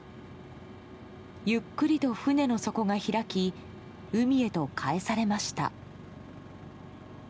ゆっくりと船の底が開き海へとかえされました。